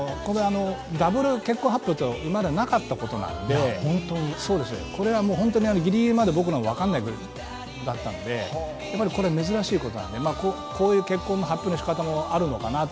ダブル結婚発表は今までなかったことなので、これは本当にギリギリまで僕らも分からなかったのでこれは珍しいことなので、こういう結婚の発表の仕方もあるのかなと。